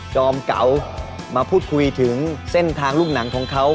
อมเก๋ามาพูดคุยถึงเส้นทางลูกหนังของเขา